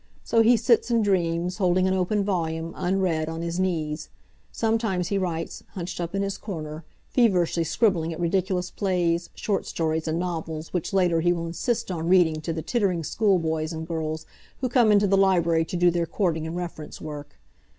So he sits and dreams, holding an open volume, unread, on his knees. Some times he writes, hunched up in his corner, feverishly scribbling at ridiculous plays, short stories, and novels which later he will insist on reading to the tittering schoolboys and girls who come into the library to do their courting and reference work.